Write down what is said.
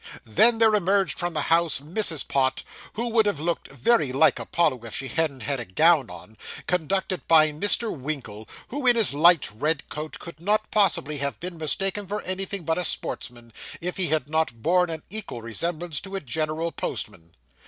Then there emerged from the house, Mrs. Pott, who would have looked very like Apollo if she hadn't had a gown on, conducted by Mr. Winkle, who, in his light red coat could not possibly have been mistaken for anything but a sportsman, if he had not borne an equal resemblance to a general postman.